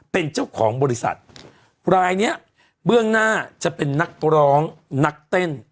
เป็นเจ้าของบริษัทรายเนี้ยเบื้องหน้าจะเป็นนักร้องนักเต้น